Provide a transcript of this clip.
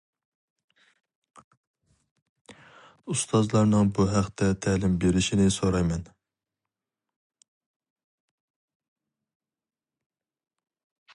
ئۇستازلارنىڭ بۇ ھەقتە تەلىم بېرىشىنى سورايمەن.